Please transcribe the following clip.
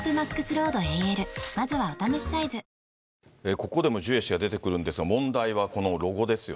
ここでもジュエ氏が出てくるんですが、問題はこのロゴですよ